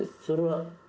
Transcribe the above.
それは。